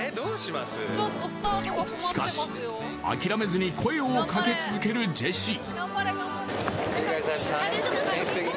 しかし諦めずに声をかけ続けるジェシー